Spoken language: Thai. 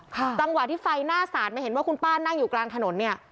จังหวะที่ไฟหน้าสาดมาเห็นว่าคุณป้านั่งอยู่กลางถนนเนี่ย